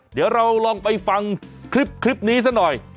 เดี๋ยวเราลองไปฟังคลิปนี้ซะหน่อย